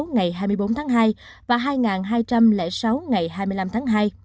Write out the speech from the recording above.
hai bốn trăm sáu mươi sáu ngày hai mươi bốn tháng hai và hai hai trăm linh sáu ngày hai mươi năm tháng hai